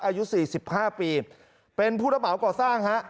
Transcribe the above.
อายุ๔๕ปีเป็นผู้ระเหมาก่อสร้างฮะ